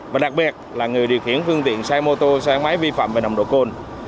và đặc biệt là người điều khiển phương tiện xe mô tô xe gắn máy vi phạm về nồng độ cồn